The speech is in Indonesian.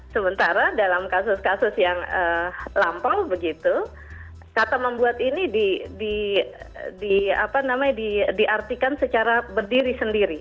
sementara dalam kasus kasus yang lampau begitu kata membuat ini diartikan secara berdiri sendiri